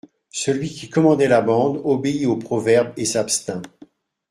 Celui qui commandait la bande obéit au proverbe et s'abstint.